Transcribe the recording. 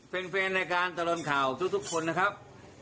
แฟนรายการตลอดข่าวทุกคนนะครับ